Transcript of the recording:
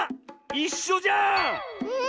いっしょじゃん！